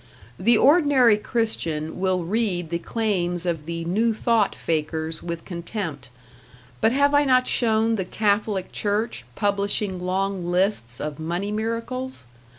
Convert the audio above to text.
The ordinary Christian will read the claims of the New Thought fakers with contempt; but have I not shown the Catholic Church publishing long lists of money miracles?